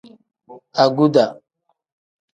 Aguda.